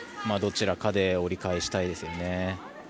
どちらかで折り返したいですね。